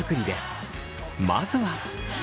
まずは。